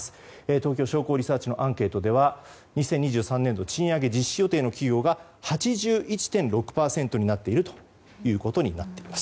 東京商工リサーチのアンケートでは２０２３年、賃上げ実施予定の企業が８１．６％になっているということです。